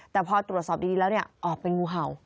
แต่พอตรวจสอบดีแล้วเนี่ยออกเป็นงูเห่า